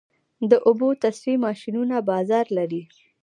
د اوبو تصفیې ماشینونه بازار لري؟